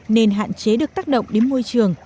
nên hạn chế được tác động đến môi trường